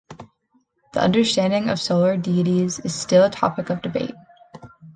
The understanding of solar deities is still a topic of debate.